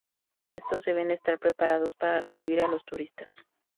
Estos deben estar preparados para recibir a los turistas.